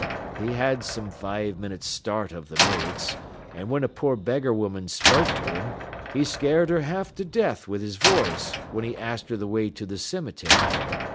He had some five minutes' start av th' mates, an' whin a poor beggar woman spoke to him he scared her half to death with his voice when he asked her th' way to th' cemetery.